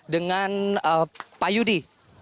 dengan pak yudi